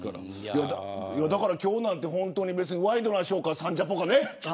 今日なんてワイドナショーかサンジャポか。